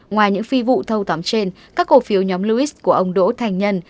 ngoài những phi vụ thâu tóm trên các cổ phiếu nhóm logis của ông đỗ thành nhân